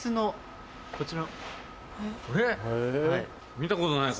見たことない形。